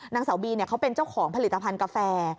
นางสาวบีเขาเป็นเจ้าของผลิตภัณฑ์กาแฟ